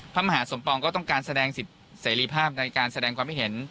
พระมหาสมปองก็ต้องการแสดงสิทธิเสรีภาพในการแสดงความคิดเห็น